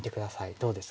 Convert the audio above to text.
どうですか？